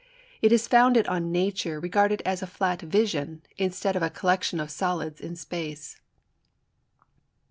It is founded on nature regarded as a flat vision, instead of a collection of solids in space.